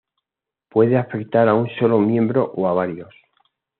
Puede afectar a un solo miembro o a varios.